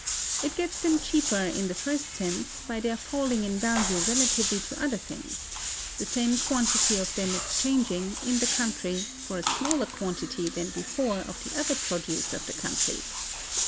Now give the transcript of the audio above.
It gets them cheaper in the first sense, by their falling in value relatively to other things; the same quantity of them exchanging, in the country, for a smaller quantity than before of the other produce of the country.